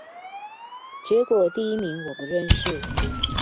結果第一名我不認識